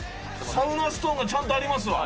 サウナストーンがちゃんとありますわ。